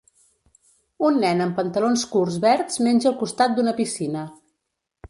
Un nen amb pantalons curts verds menja al costat d'una piscina.